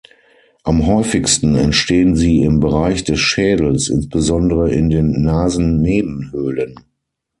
Am häufigsten entstehen sie im Bereich des Schädels, insbesondere in den Nasennebenhöhlen.